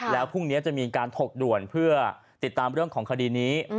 แล้วพรุ่งนี้จะมีการถกด่วนเพื่อติดตามเรื่องของคดีนี้